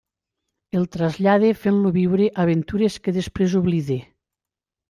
El trasllada fent-lo viure aventures que després oblida.